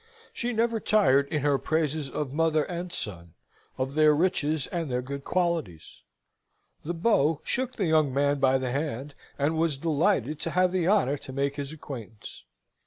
She never tired in her praises of mother and son, of their riches and their good qualities. The beau shook the young man by the hand, and was delighted to have the honour to make his acquaintance.